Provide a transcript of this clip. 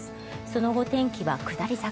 その後、天気は下り坂。